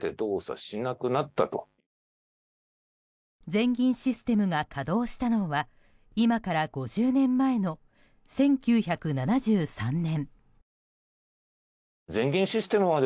全銀システムが稼働したのは今から５０年前の１９７３年。